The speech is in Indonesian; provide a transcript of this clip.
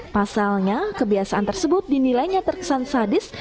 pasalnya kebiasaan tersebut dinilainya terkesan sadis